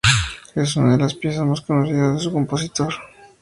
Es una de las piezas más conocidas de su compositor.